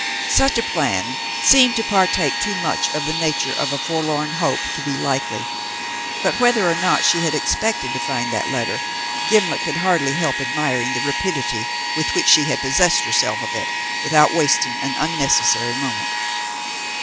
Such a plan seemed to partake too much of the nature of a forlorn hope to be likely, but whether or no she had expected to find that letter, Gimblet could hardly help admiring the rapidity with which she had possessed herself of it without wasting an unnecessary moment.